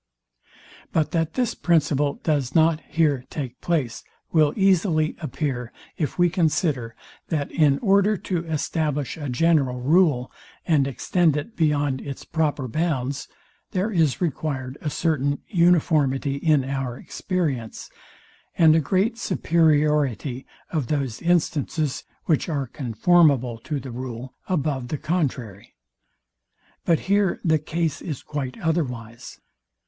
But that this principle does not here take place, will easily appear, if we consider, that in order to establish a general rule, and extend it beyond its proper bounds, there is required a certain uniformity in our experience, and a great superiority of those instances, which are conformable to the rule, above the contrary. But here the case is quite otherwise.